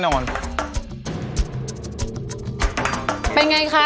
ขอบคุณมากค่ะ